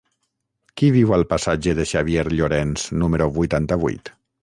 Qui viu al passatge de Xavier Llorens número vuitanta-vuit?